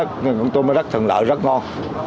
con tôm là đất thần lạ rất ngon